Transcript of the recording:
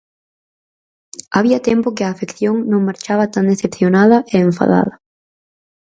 Había tempo que a afección non marchaba tan decepcionada e enfadada.